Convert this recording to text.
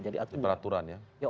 jadi peraturan ya